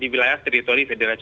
di wilayah teritori federa rusia